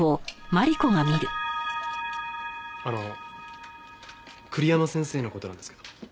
あの栗山先生の事なんですけど。